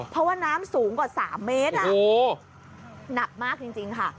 เพราะว่าน้ำสูงกว่า๓เมตรหนักมากจริงค่ะ